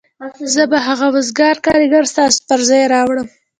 زه به هغه وزګار کارګر ستاسو پر ځای راوړم